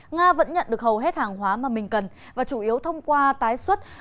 nga vẫn nhận được hầu hết hàng hóa mà mình cần và chủ yếu thông qua tái xuất